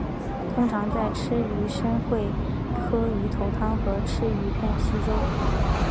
通常在吃鱼生会喝鱼头汤和吃鱼片稀粥。